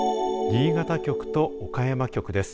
新潟局と岡山局です。